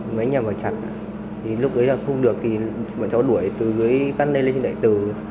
mấy nhóm bảo chặt thì lúc đấy là không được thì bọn cháu đuổi từ dưới căn lên lên trên đại tử